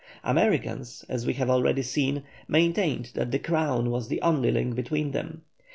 Americans, as we have already seen, maintained that the crown was the only link between them.